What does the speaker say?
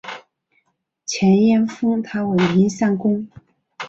前燕封他为岷山公。